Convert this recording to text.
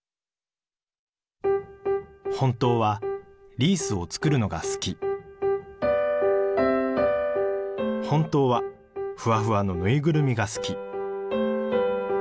本当はリースを作るのが好き本当はフワフワの縫いぐるみが好き